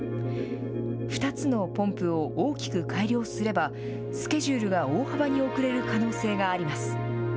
２つのポンプを大きく改良すれば、スケジュールは大幅に遅れる可能性があります。